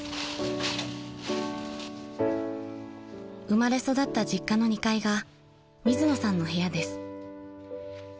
［生まれ育った実家の２階が水野さんの部屋です］